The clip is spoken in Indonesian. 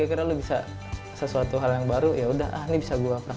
asal dasar sudah jadi kami simpan